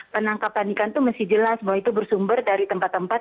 penangkapan ikan itu mesti jelas bahwa itu bersumber dari tempat tempat